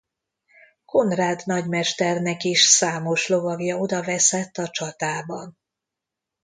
Konrád nagymesternek is számos lovagja odaveszett a csatában.